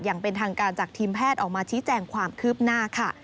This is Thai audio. อย่างเป็นทางการจากทีมแพทย์ออกมาชี้แจงความคืบหน้าค่ะ